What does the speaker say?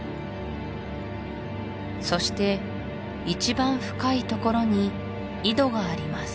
そして一番深いところに井戸があります